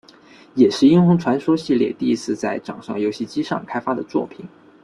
也是英雄传说系列第一次在掌上游戏机上开发的作品。